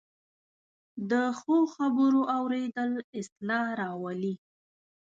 د ښو خبرو اورېدل اصلاح راولي